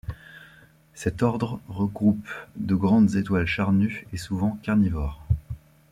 Cet ordre regroupe de grandes étoiles charnues et souvent carnivores.